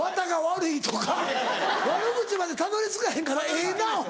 悪口までたどり着かへんからええなお前ら。